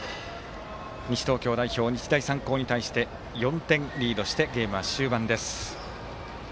西東京代表、日大三高に対して４点リードしてゲームは終盤です。